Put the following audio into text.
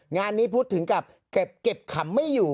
งานนี้พุทธถึงกับเก็บขำไม่อยู่